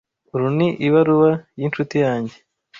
Uru ni ibaruwa yinshuti yanjye.